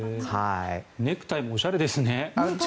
ネクタイもおしゃれですね。